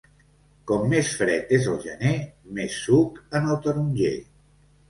Com més fred és el gener, més suc en el taronger.